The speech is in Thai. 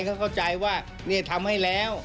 เขาเข้าใจว่านี่ทำให้แล้ว